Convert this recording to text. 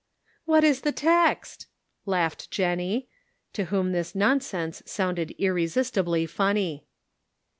" What is the ' text ?" laughed Jennie, to whom this nonsense sounded irresistibly funny.